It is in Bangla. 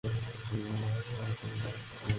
ক্ষীরের জন্যও দারায়নি?